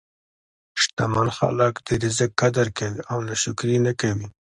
شتمن خلک د رزق قدر کوي او ناشکري نه کوي.